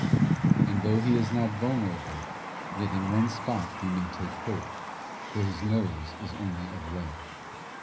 And though he is not vulnerable, yet in one spot he may take hurt, for his nose is only of lead.